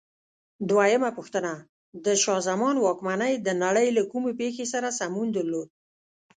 دویمه پوښتنه: د شاه زمان واکمنۍ د نړۍ له کومې پېښې سره سمون درلود؟